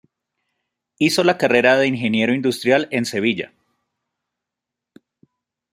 Hizo la carrera de Ingeniero Industrial en Sevilla.